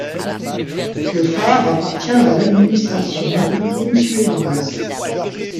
Le phare appartient à l'administration maritime suédoise.